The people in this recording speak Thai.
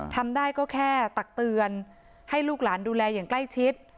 ทำได้ก็แค่ตักเตือนให้ลูกหลานดูแลอย่างใกล้ชิด